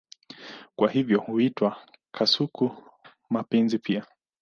Kwa hivyo huitwa kasuku-mapenzi pia.